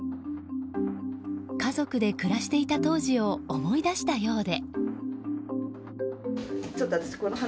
家族で暮らしていた当時を思い出したようで。